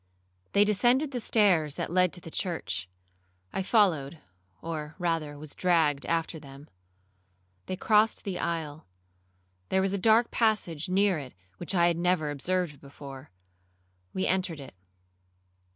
They descended the stairs that led to the church. I followed, or rather was dragged after them. They crossed the aisle; there was a dark passage near it which I had never observed before. We entered it.